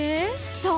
そう！